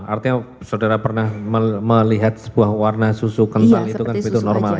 artinya saudara pernah melihat sebuah warna susu kental itu kan begitu normal ya